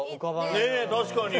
ねえ確かに。